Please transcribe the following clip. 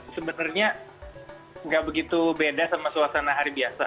sebenarnya nggak begitu beda sama suasana hari biasa